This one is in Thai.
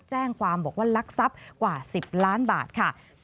แจ้งความบอกว่าลักทรัพย์กว่า๑๐ล้านบาทค่ะ